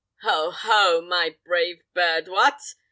"Oh, ho! my brave bird, what!